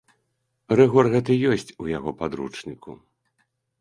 Рыгор гэты ёсць у яго падручніку.